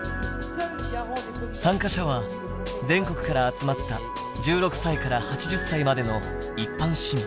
参加者は全国から集まった１６歳から８０歳までの一般市民。